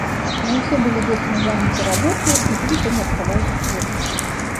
Мы ўсе былі вечна заняты работаю і думкамі аб кавалку хлеба.